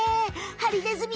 ハリネズミ？